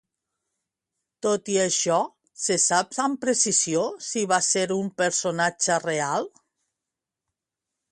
Tot i això, se sap amb precisió si va ser un personatge real?